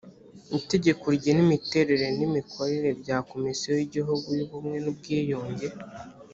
itegeko rigena imiterere n’ imikorere bya komisiyo y’ igihugu y‘ubumwe n’ubwiyunge